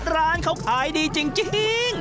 ร้านเขาขายดีจริง